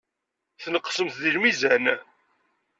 Tneqsemt deg lmizan.